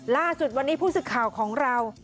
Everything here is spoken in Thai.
ล่าสุดวันนี้ผู้สื่อข่าวของเรา